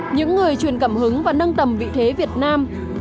những người truyền cảm hứng và nâng tầm vị thế việt nam